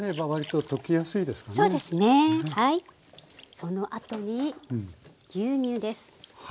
そのあとに牛乳です。